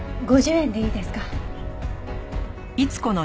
５０円でいいですか？